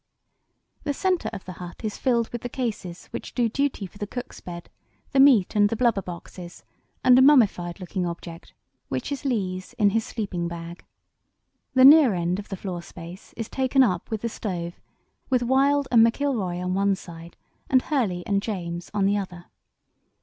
"The centre of the hut is filled with the cases which do duty for the cook's bed, the meat and blubber boxes, and a mummified looking object, which is Lees in his sleeping bag. The near end of the floor space is taken up with the stove, with Wild and McIlroy on one side, and Hurley and James on the other.